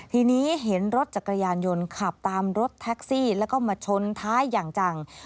ทีนี้เห็นรถจักรยานยนต์ขับตามรถแท็กซี่แล้วก็มาชนท้ายอย่างจัง